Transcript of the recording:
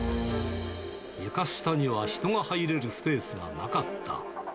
床下には人が入れるスペースがなかった。